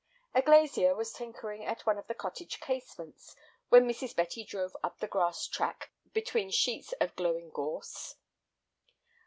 A glazier was tinkering at one of the cottage casements when Mrs. Betty drove up the grass track between sheets of glowing gorse.